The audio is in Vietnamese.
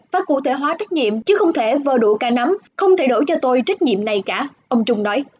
phải cụ thể hóa trách nhiệm chứ không thể vơ đủ ca nắm không thể đổi cho tôi trách nhiệm này cả ông trung nói